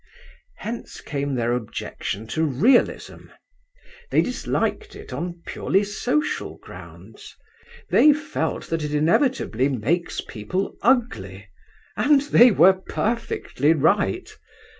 Hence came their objection to realism. They disliked it on purely social grounds. They felt that it inevitably makes people ugly, and they were perfectly right.